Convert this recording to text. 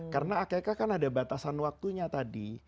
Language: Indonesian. karena akk kan ada batasan waktunya tadi